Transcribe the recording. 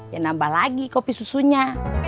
ya nambah lagi kopi susunya